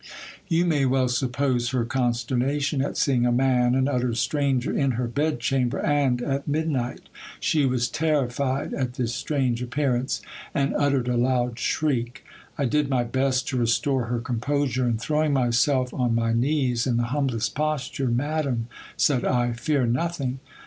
You may well suppose her consternation, at seeing a man, an utter stranger, in her bedchamber, and at midnight. She was terrified at this strange appear ance, and uttered a loud shriek. I did my best to restore her composure, and throwing myself on my knees in the humblest posture, Madam, said I, fear nothing.